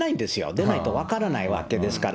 でないと分からないわけですから。